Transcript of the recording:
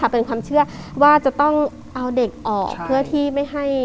เป็นความเชื่อว่าจะต้องเอาเด็กออกเพื่อที่ไม่ให้